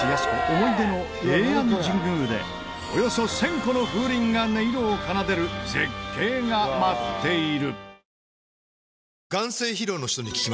思い出の平安神宮でおよそ１０００個の風鈴が音色を奏でる絶景が待っている。